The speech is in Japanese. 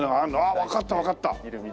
わかったわかった！